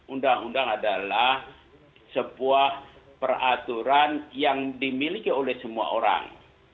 undang undang adalah sebuah peraturan yang dimiliki oleh semua orang